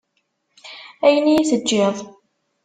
Ayen i yi-teǧǧiḍ.